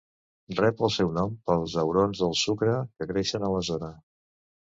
Rep el seu nom pels aurons del sucre que creixen a la zona.